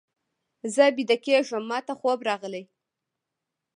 زه ویده کېږم، ماته خوب راغلی.